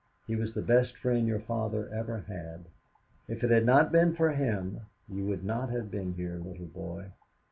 He was the best friend your father ever had. If it had not been for him you would not have been here, little boy.